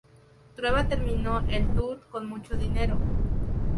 Trueba terminó el "Tour" con mucho dinero.